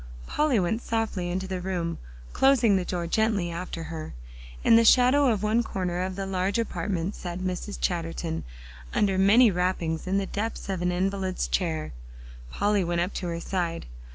Polly went softly into the room, closing the door gently after her. In the shadow of one corner of the large apartment, sat Mrs. Chatterton under many wrappings in the depths of an invalid's chair. Polly went up to her side.